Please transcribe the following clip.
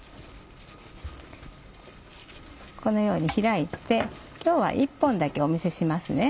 このように開いて今日は１本だけお見せします。